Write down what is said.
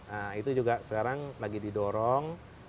nah itu juga sekarang lagi didorong